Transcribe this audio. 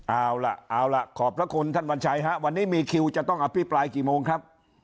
เอาล่ะเอาล่ะขอบพระคุณท่านวัญชัยฮะวันนี้มีคิวจะต้องอภิปรายกี่โมงครับ